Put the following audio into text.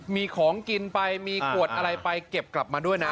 มีของกินไปมีขวดอะไรไปเก็บกลับมาด้วยนะ